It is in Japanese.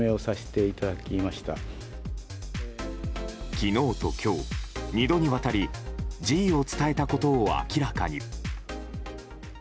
昨日と今日、２度にわたり辞意を伝えたことを明らかに。